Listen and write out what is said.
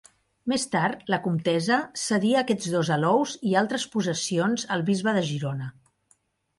Més tard, la comtessa cedia aquests dos alous i altres possessions al bisbe de Girona.